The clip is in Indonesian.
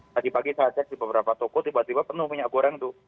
tadi pagi saya cek di beberapa toko tiba tiba penuh minyak goreng tuh